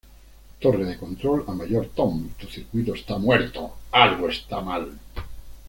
Torre de Control a Mayor Tom, tu circuito está muerto, algo está mal.